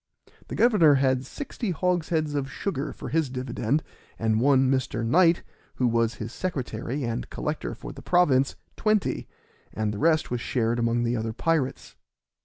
The governor had sixty hogsheads of sugar for his dividend, and one Mr. Knight, who was his secretary and collector for the province, twenty, and the rest was shared among the other pirates.